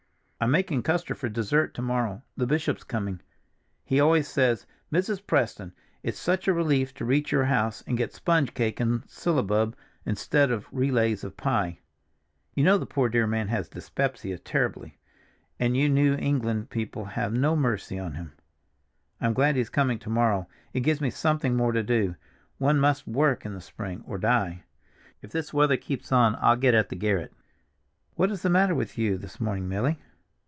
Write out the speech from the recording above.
"I'm making custard for dessert to morrow; the bishop's coming. He always says, 'Mrs. Preston, it's such a relief to reach your house and get sponge cake and syllabub, instead of relays of pie!' You know the poor, dear man has the dyspepsia terribly, and you New England people have no mercy on him. I'm glad he's coming to morrow, it gives me something more to do; one must work in the spring, or die. If this weather keeps on I'll get at the garret. What is the matter with you this morning, Milly?"